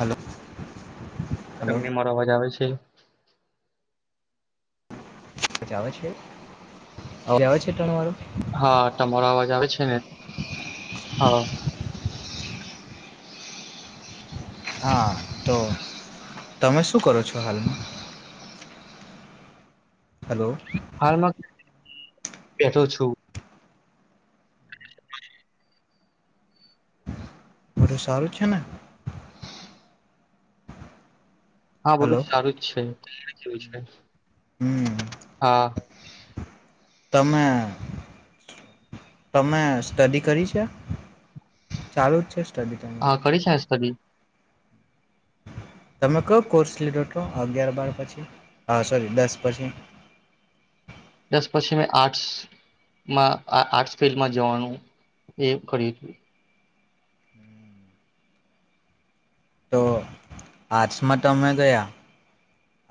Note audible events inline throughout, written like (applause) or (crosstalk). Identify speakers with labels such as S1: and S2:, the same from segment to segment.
S1: Hello hello
S2: તમને મારો અવાજ આવે છે (inaudible)
S1: જ આવે છે હજ આવે છે ત્રણ મારું
S2: હા તમારો અવાજ આવે છે ને હા
S1: હા તો તમે શું કરો છો હાલમાં હલો
S2: હાલમાં બેઠો છું
S1: બધું સારું છે ને
S2: હા બોલું
S1: હલો
S2: સારું જ છે તૈવું છે
S1: હમ
S2: હા
S1: તમે તમે સ્ટડી કરી છે ચાલુ જ છે સ્ટડી તમારી
S2: હા કડી છેસ તી
S1: તમે ક કોર્સ લ ડો તો અગિયાર બાર પછી હ સોરી દસ પછી
S2: દસ પછી મેં આર્ટસમાં આર્ટસ ફિલ્ડમાં જવાનું એ કર્યું હતું
S1: તો આર્ટ્સમાં ત અમે ગયા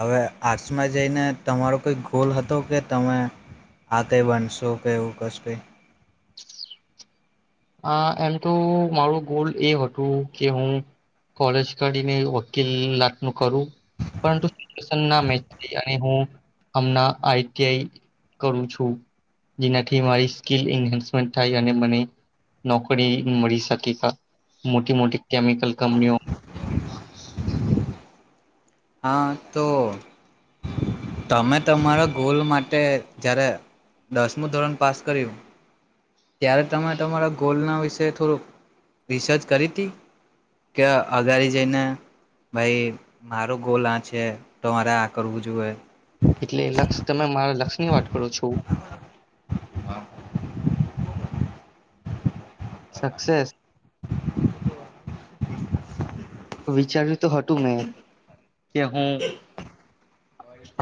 S1: હવે આર્ટ્સમાં જઈને તમારો કઈ ગોલ હતો કે તમે આ કઈ બનશો કે એવું કશો કઈ
S2: આ એમ તો મારો ગોલ એ હતું કે હું કોલેજ કરીને વકીલત કરું મેમ કરું છું જેનાથી મારી સ્કીલન્સમેન્ટ થાય નોકરી મળી શકે મોટી મોટી કેમિકલ કંપનીઓ
S1: હા તો તમે તમારા ગોલ માટે જ્યારે દસમું ધોરણ પાસ કર્યું ત્યારે તમે તમારા ગોલના વિશે થોડુંક રિસર્ચ કરી હતી કે અગાડી જઈને ભાઈ મારો ગોલ આ છે તમારે આ કરવું જોઈએ
S2: એટલે લક્ષ તમે મારા લક્ષ્યની વાત કરો છો સક્સેસ વિચાર્યું તો હતું મેં કે હું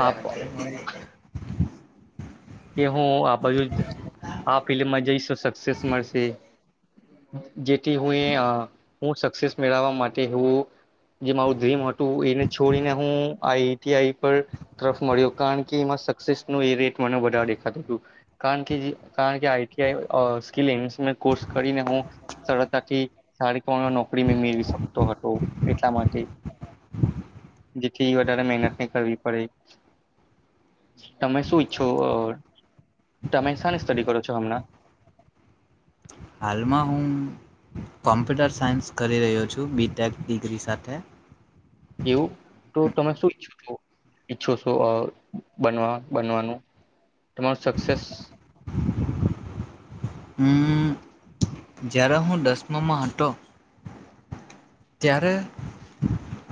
S2: આપ કે હું આ બાજુ આ ફિલ્િલ્મમાં જઈશ સક્સેસ મળશે જેથી હું હું સક્સેસ મેળવવા માટે હવું જે મારું ડ્રીમ હતું એને છોડીને હું આઈટીઆઈ પર તરફ મળ્યો કારણ કે એમાં સક્સેસનો એ રેટ મને વધ્યો કો કરીને હતાથી નોકરી મેળવીકતો હતો એટલા માટે જેથી વધ મનત કર પડે તમે શું ઈચછો તમે શને સ્ટાડી કરો છો હમણા
S1: હાલમાં હું કોમ્પ્યુટર સાયન્સ કરી રહ્યો છું બીટેક ડિગ્રી સાથે
S2: એવું તો તમે શુંઈછ ઈચ્છો છો બનવા બનવાનું તમારું સક્સેસ
S1: હમ જ્યારે હું દસમમાં હતો ત્યારે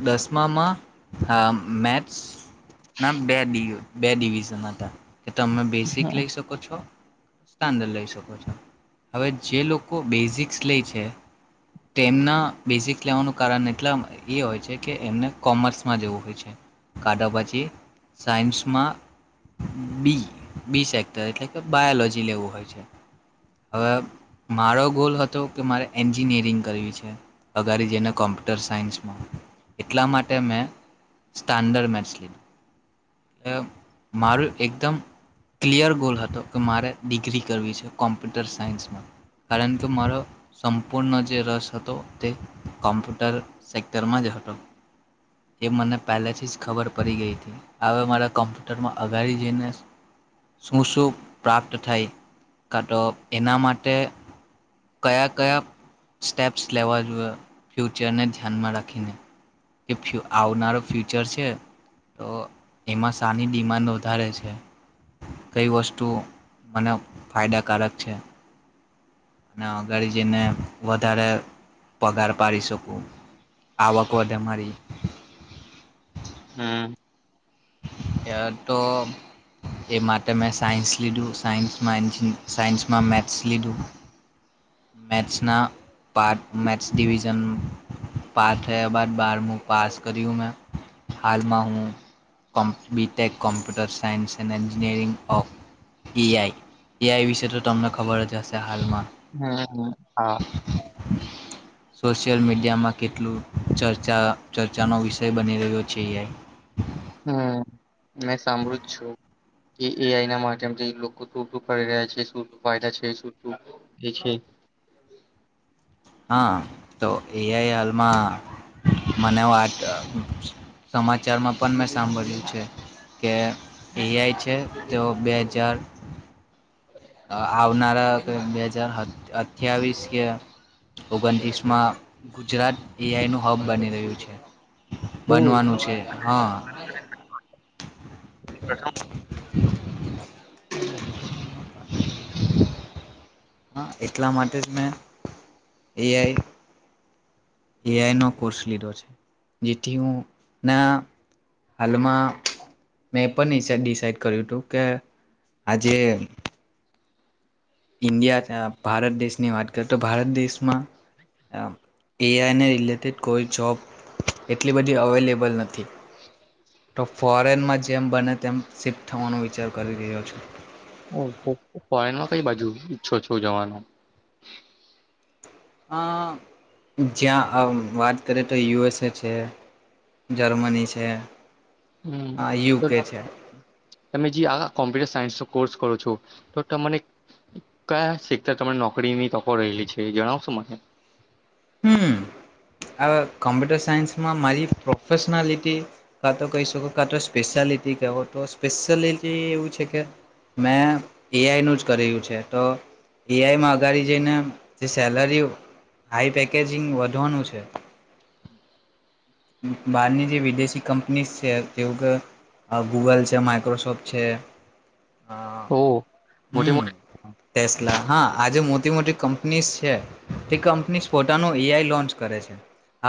S1: દસમામાં મેથ્સ ના બે બે ડિવિઝન હતા કે તમે બેસિક
S2: હમ
S1: લઈ શકો છો સ્થ લઈ શકો છો હવે જે લોકો બેઝિક્સ લે છે તેમના બેઝિક લવાનું કાર એટ એ હોય છે કે એમને કોમર્સમાં જવું હોય છે કાઢા પછી સાયન્સમાં બી બી સેક્ટર એટલે કે બાયોલોજી લેવું હોય છે હવે મારો ગોલ હતો કે મારે એન્જિનિયરિંગ કરવી છે ઉગાારી જઈને કોમ્પ્યુટર સાયન્સમાં એટલા માટે મેં સ્ટાન્ડર્ડ મેથ્સ લીધું એ મારું એકદમ ક્લિયર ગોલ હતો કે મારે ડિગ્રી કરવી છે કોમ્પ્યુટર સાયન્સમાં કારણ કે મારો સંપૂર્ણ જે રસ હતો તે કોમ્પ્યુટર સેક્ટરમાં જ હતો એ મને પહેલેથી જ ખબર પડી ગઈ હતી હવે મારા કોમ્પ્યુટરમાં અગાડી જઈને શું શું પ્રાપ્ત થાય કા તો એના માટે કયા કયા સ્ટેપ્સ લેવા જોઈએ ફ્યુચરને ધ્યાનમાં રાખીને કે આવનારો ફ્યુચર છે તો એમાં શાની ડિમાન્ડ વધારે છે કઈ વસ્તુ મને ફાયદાકારક છે અને અગરજીનને વધારે પગાર પાડી શકું આવક વધે મારી
S2: હમ
S1: તો એ માટે મેં સાયન્સ લીધું સાયન્સમાં સાયન્સમાં મેથ્સ લીધું મેથ્સ ના પાર્ટ મેથસ ડિવિઝન પાર્ટ હૈ બ બારમું પાસ કર્યું મેં હાલમાં હું કોમ્ B Tech computer science and engineering of AI AI વિશે તો તમને ખબર અજશે હાલમાં
S2: હમ હા
S1: સોશિયલ મીડિયામાં કેટલું ચર્ચાનો વિષય બની રહ્યો છે
S2: હમ મેં સાંભળ્યું જ છું કે એ આઈના મામથી લોકો શ કરી રહ્યા છે શ ફાયદા છે શુંું એ છે
S1: હા તો એઆઈ હાલમાં મને વાત સમાચારમાં પણ મેં સાંભળ્યું છે કે એઆઈ છે તે બે હજાર આવનારા બે હજાર અઠવીસ કે ઓગણત્રીસ માં ગુજરાત એઆઈ નું હબ બની રહ્યું છે
S2: ઓહ, એ તો
S1: બનવાનું છે હા
S2: કછો (inaudible)
S1: હા એટલા માટે જ મેં એઆઈ એઆઈનો કોર્સ લીધો છે જેથી હું ના હાલમાં મેં એ પણ ડિસાઈડ કર્યું હતું કે આજે ઈન્ડિયા ભારત દેશની વાત કરીએ તો ભારત દેશમાં એઆઈને રિલેટેડ કોઈ જોબ એટલી બધી અવેલેબલ નથી તો ફોરેન માં જેમ બને તેમ શિફ્ટ થવાનો વિચાર કરી રહ્યો છ
S2: હ ફોરેનમાં કઈ બાજુ ઈચ્છો છો જવાનો
S1: જ્યાં વાત કરીએ તો યુએસએ છે જર્મની છે
S2: હમ
S1: હા યુકે છે
S2: તમે જ આ કોમ્પ્યુટર સાયન્સ ન કોર્સ કરો છું તો તને કયા સીખતા ત નોકરીની તકો રહેલી છે જણાવશો મને
S1: હમ આ કમ્પ્યુટર સાયન્સમાં મારી પ્રોફેશનાલિટી કા તો કહી શકો કા તો સ્પેશિયાલિટી કહેો તો સ્પેશિયાલિટી એવું છે કે મેં એઆઈનું જ કર્યું છે તો એઆઈમાં અગાડી જઈને જે સેલરી હાઈ પેકેજિંગ વધવાનું છે બહારની જે વિદેશી કંપનીઝ છે તેવું કે ગૂગલ છે માઈક્રોસોફ્ટ છે હ
S2: ઓ મોટી
S1: હમ
S2: મોટી
S1: ટેસલા હા આજે મોટી મોટી કંપનીઝ છે તે કંપનીઝ પોતાનું એઆઈ લોન્ચ કરે છે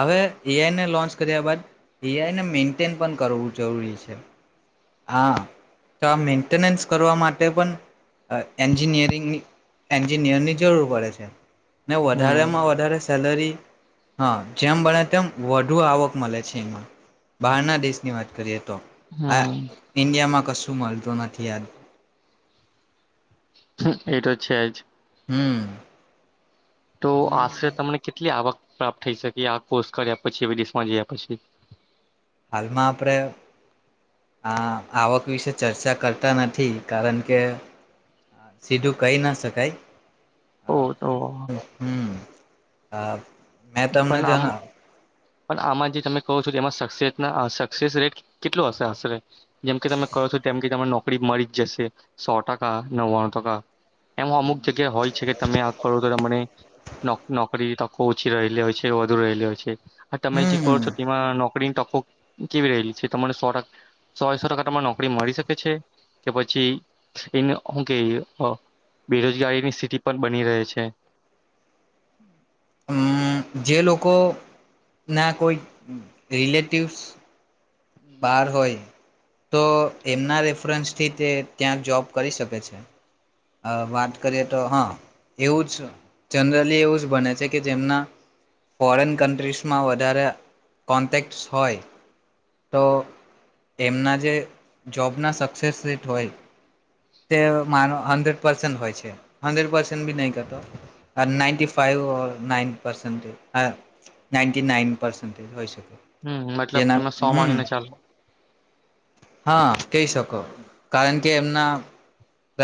S1: હવે એઆઈને લોન્ચ કર બાદ એઆઈને મેન્ટેન પણ કરવું જરૂરી છે હા તો આ મેન્ટેનન્સ કરવા માટે પણ એન્જિનિયરિંગની એન્જિનિયરની જરૂર પડે છે ને વધારે
S2: હમ
S1: માં વધારે સેલરી હા જેમ ભણે તેમ વધુ આવક મળે છે એમાં બહારના દેશની વાત કરીએ તો તો
S2: હમ
S1: હ ઇન્ડિયા માં કશું સુમાલતો નાથથીયાદ
S2: એટ છે આજ
S1: (inaudible)
S2: તો આશરે તમને કેટલી આવક પ્રાપ્ત થઈ શકી આ કોસ્ટ કર્યા પછી વિદેશમાં જયા પછી
S1: હાલમાં આપણે આ આવક વિશે ચર્ચા કરતા નથી કારણ કે સીધું કહી ના શકાય
S2: ઓહ તો
S1: હ હમ હા મે તમને
S2: પણ
S1: જ
S2: આમ
S1: ના
S2: પણ આમાં જે તમે કહો છો એમાં સસેસ ના સક્સેસ રેટ કેટલો હશે આશરે જેમકે તમે કહો છો કેમ કે તમને નોકરી મળી જ જશે સો ટકા નવ્વાણું ટકા એમ અમુક જગ્યા હોય છે કે તમે આ કરો તો તમને નોકરી તકો ઓછી રહેલી હોય. છે વધુ રહેલી હો છે. તમે જે કરો
S1: હમ
S2: છો તેમાં નોકરી ટક કેવી રલી છે તમને સો ટકા સોસો ટકા તમાને નોકરી મળી શકે છે કે પછી એ કે બેરોજગારીની સ્થિતિ પણ બની રહે છે?
S1: હમ જે લોકો ના કોઈ રિલેટિવ્સ બાર હોય તો એમના રેફરન્સથી તે ત્યાં જોબ કરી શકે છે વાત કરીએ તો હા એવું જ જનરલી એવું જ બને છે કે જેમના ફોરેન કન્ટ્રીસમાં વધારે કોન્ટેક્ટસ હોય તો એમના જે જોબના સક્સેસ રેટ હોય તે મારો હન્ડ્રેડ પર્સેન્ટ હોય છે હન્ડ્રેડ પર્સેન્ટ બી નહીં કરતો નાઈન્ટી ફાઇવ નાઇન પર્સન્ટેજ હ નાઇન્ટી નાઈન પર્સન્ટેજ હોય શકે.
S2: હમ્મ મતલબ ત
S1: જેના હમ
S2: સાોમાન્યને ચાલ
S1: હા કહી શકો કારણ કે એમના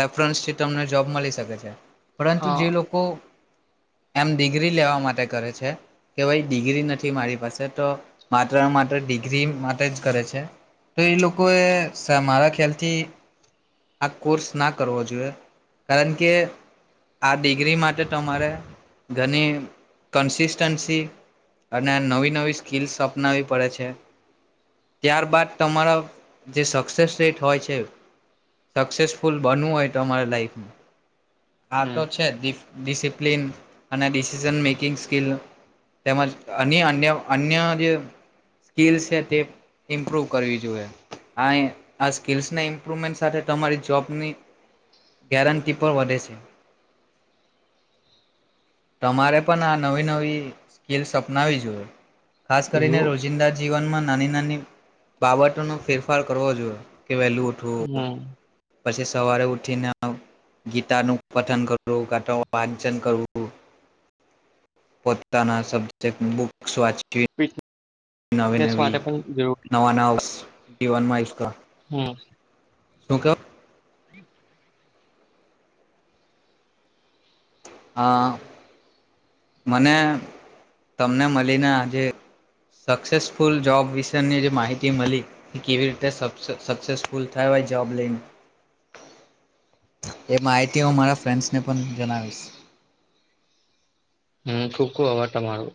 S1: રેફરન્સથી તમને જોબ મળી શકે છે. પરંતુ જે
S2: હા
S1: લોકો એમ ડિગ્રી લેવા માટે કરે છે કે ભાઈ ડિગ્રી નથી મારી પાસે તો માત્ર ને માત્ર ડિગ્રી માટે જ કરે છે. તો એ લોકોએ મારા ખ્યાલથી આ કોર્સ ના કરવો જોઈએ કારણ કે આ ડિગ્રી માટે તમારે ઘણી કન્સિસ્ટન્સી અને નવી નવી સ્કિલ્સ અપનાવી પડે છે ત્યારબાદ તમારા જે સક્સેસ રેટ હોય છે સક્સેસફુલ બનવું હોય તમારા લાઈફમાં હા
S2: હમ
S1: તો છે દી ડિસિપ્લિન અને ડિસિઝન મેકિંગ સ્કીિલ તેમજ અન્ય અન્ય અન્ય જે સ્કલસ છે તે ઇમ્પ્રૂવ કરવી જોઈએ આ સ્કિલ ની સાથે તમારી જોબ ની ગેરંટી વધે છે તમારે પણ આ નવી નવીનાવી જોઈએ. ખાસ કરીને
S2: એવું
S1: રોજિંદા જીવનમાં નાની નાની બાબતોનો ફેરફાર કરવો જોઈએ. કે વેલું ઉઠો.
S2: હમ
S1: પછી સવારે ઉઠીને ગીતાનું પઠન કરવુંટ વાંચન કરવું પોતાના સબ્જેક્ટ બુક્સ વાચ
S2: (unintelligible)
S1: નવી નવી
S2: માટે પણ જરૂરી
S1: નવા નઉસ. (unintelligible)
S2: હમ્મ.
S1: શું કેવો.
S2: (inaudible)
S1: હા. મને તમને મળીને આજે સક્સેસફુલ જોબ વિશેની જે માહિતી મળી એ કેવી રીતે સક્સેસફુલ થયા હોય જોબ લઈને. એ માહિતી હું મારા ફ્રેન્ડ્સને પણ જણાવીશ.
S2: હમ્મ ખોખું આભાર તમારો.